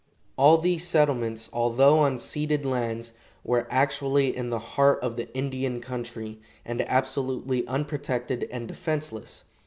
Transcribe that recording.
All these settlements, although on ceded lands, were actually in the heart of the Indian country, and absolutely unprotected and defenseless.